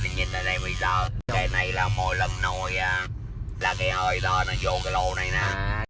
anh nhìn ở đây bây giờ cái này là mỗi lần nổi là cái hơi đó nó vô cái lỗ này nè